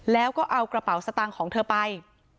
แล้วก็เอากระเป๋าสตางค์ของเธอไป